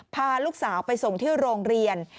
พาลูกสาวไปส่งที่โรงเรียน